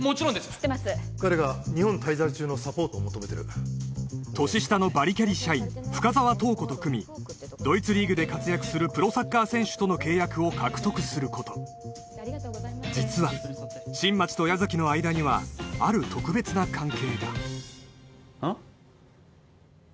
知ってます彼が日本滞在中のサポートを求めてる年下のバリキャリ社員深沢塔子と組みドイツリーグで活躍するプロサッカー選手との契約を獲得すること実は新町と矢崎の間にはある特別な関係があっ？